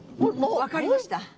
分かりました。